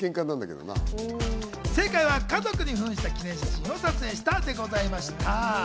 正解は家族にふんした記念写真を撮影したでした。